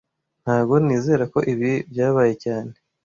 Ntago nizera ko ibi byabaye cyane